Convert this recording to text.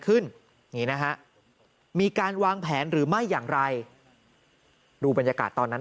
ขึ้นนี่นะฮะมีการวางแผนหรือไม่อย่างไรดูบรรยากาศตอนนั้น